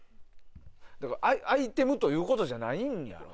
だからアイテムということじゃないんやわ。